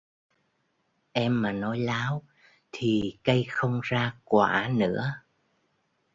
em mà nói láo thì cây không ra quả nữa